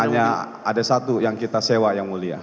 hanya ada satu yang kita sewa yang mulia